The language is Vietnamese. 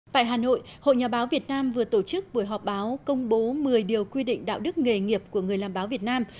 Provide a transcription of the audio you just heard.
tại hà nội hội nhà báo việt nam vừa tổ chức buổi họp báo công bố một mươi điều quy định đạo đức nghề nghiệp của người làm báo việt nam